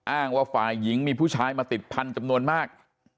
อ้างว่าฝ่ายหญิงมีผู้ชายมาติดพันธุ์จำนวนมาก